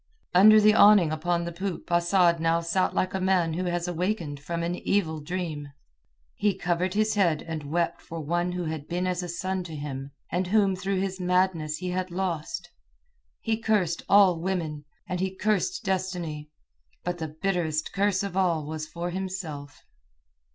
Under the awning upon the poop Asad now sat like a man who has awakened from an evil dream. He covered his head and wept for one who had been as a son to him, and whom through his madness he had lost. He cursed all women, and he cursed destiny; but the bitterest curse of all was for himself.